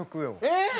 えっ！